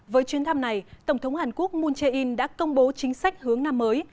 với chuyến thăm này tổng thống hàn quốc moon jae in đã công bố chính sách hướng năm mới